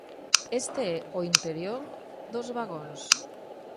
Este é o interior dos vagóns.